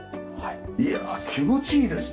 いやあ気持ちいいですね